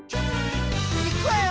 いくわよ！